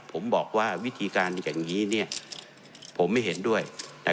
ผมบอกว่าวิธีการอย่างนี้ผมไม่เห็นด้วย